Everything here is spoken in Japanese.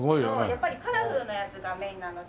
やっぱりカラフルなやつがメインなので。